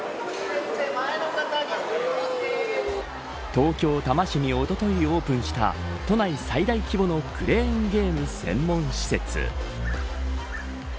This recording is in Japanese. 東京、多摩市におとといオープンした都内最大規模のクレーンゲーム専門施設。